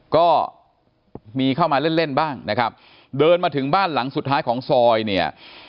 ก็มีเข้ามาเล่นเล่นบ้างนะครับเดินมาถึงบ้านหลังสุดท้ายของซอยเนี่ย